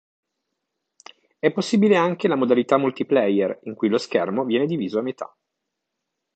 È possibile anche la modalità multiplayer, in cui lo schermo viene diviso a metà.